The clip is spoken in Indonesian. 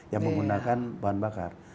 yang menggunakan bahan bakar